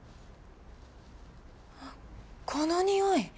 あっこのにおい！